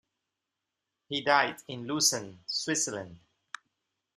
He died in Lucerne, Switzerland.